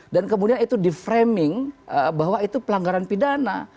dan kemudian itu di framing bahwa itu pelanggaran pidana